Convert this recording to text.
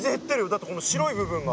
だってこの白い部分が。